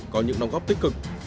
có những nông góp tích cực